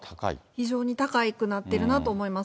非常に高くなってるなと思います。